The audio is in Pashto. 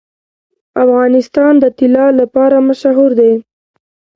افغانستان د طلا لپاره مشهور دی.